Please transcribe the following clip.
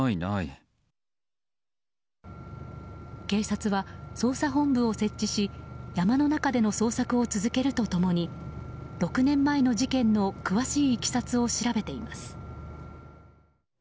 警察は捜査本部を設置し山の中での捜索を続けると共に６年前の事件の詳しいいきさつを調べています。